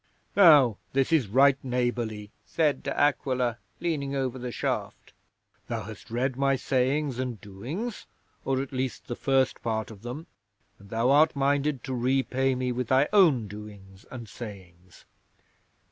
'"Now, this is right neighbourly," said De Aquila, leaning over the shaft. "Thou hast read my sayings and doings or at least the first part of them and thou art minded to repay me with thy own doings and sayings.